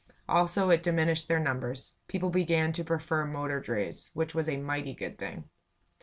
Also it diminished their numbers. People began to prefer motor drays which was a mighty good thing.